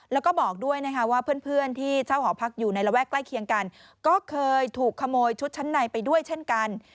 แล้วก็บอกด้วยนะคะว่าเพื่อนที่เช่าหอพักอยู่ในระแวกใกล้เคียงกันก็เคยถูกขโมยชุดชั้นในไปด้วยเช่นกัน